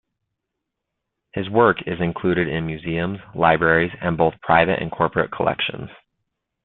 His work is included in museums, libraries, and both private and corporate collections.